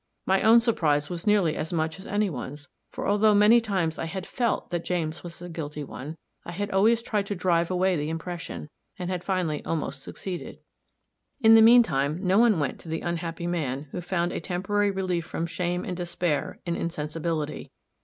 My own surprise was nearly as much as any one's; for, although many times I had felt that James was the guilty one, I had always tried to drive away the impression, and had finally almost succeeded. In the mean time no one went to the unhappy man, who found a temporary relief from shame and despair in insensibility.